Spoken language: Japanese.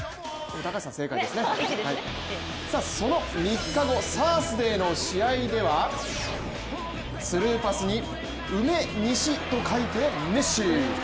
その３日後、サーズデーの試合ではスルーパスに梅西と書いてメッシ。